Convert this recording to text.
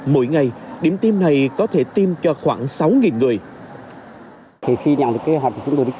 mỗi ngày điểm tiêm này có thể tiêm cho khoảng sáu người